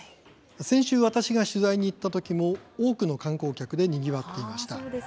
先週、私が取材に行ったときも多くの観光客でにぎわっていました。